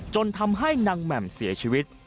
จนทำให้นางแหม่มเสียชีวิต